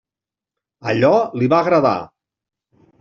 Allò li va agradar.